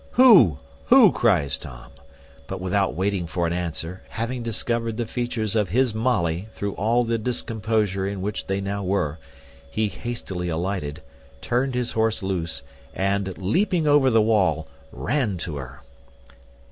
"Who, who?" cries Tom; but without waiting for an answer, having discovered the features of his Molly through all the discomposure in which they now were, he hastily alighted, turned his horse loose, and, leaping over the wall, ran to her.